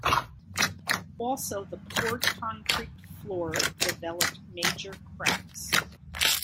Also the poured concrete floor developed major cracks.